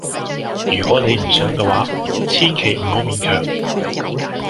如果你唔想嘅話，千祈唔好勉強。